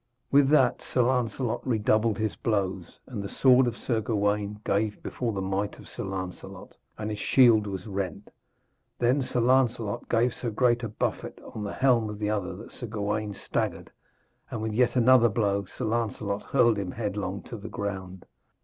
With that Sir Lancelot redoubled his blows, and the sword of Sir Gawaine gave before the might of Sir Lancelot, and his shield was rent. Then Sir Lancelot gave so great a buffet on the helm of the other that Sir Gawaine staggered, and with yet another blow Sir Lancelot hurled him headlong to the ground.